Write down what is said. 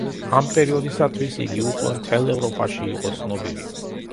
ამ პერიოდისთვის იგი უკვე მთელს ევროპაში იყო ცნობილი.